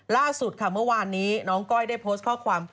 ล่าสุดค่ะเมื่อวานนี้น้องก้อยได้โพสต์ข้อความ